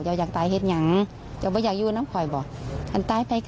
อยากตายเห็ดอย่างเขาอยากอยู่น้ำคอยบ่อันตายไป